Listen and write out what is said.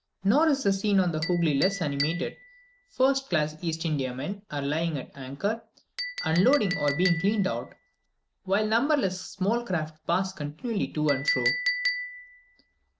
Nor is the scene on the Hoogly less animated; first class East Indiamen are lying at anchor, unloading or being cleaned out, while numberless small craft pass continually to and fro.